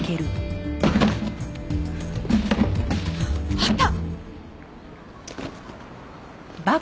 あった！